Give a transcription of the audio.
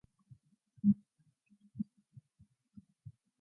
At the time, it was the second biggest producer in the world.